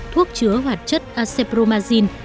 thuốc chứa hoạt chất acepromazine